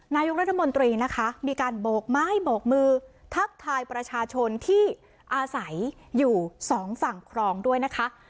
นายกรัฐมนตรีนะคะมีการโบกไม้โบกมือทักทายประชาชนที่อาศัยอยู่สองฝั่งครองด้วยนะคะ